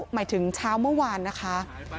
หมายถึงเช้าเมื่อวานนะคะ